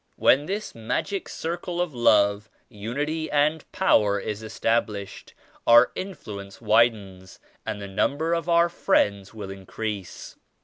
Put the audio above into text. When this magic circle of love, unity and power is established, our influ ence widens and the number of our friends will increase.